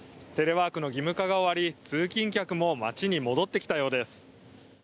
テレワークの義務化が終わり通勤客も街に戻ってきたようです。